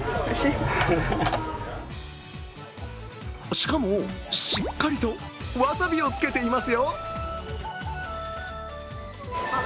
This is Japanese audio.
しかも、しっかりとわさびをつけていますよ。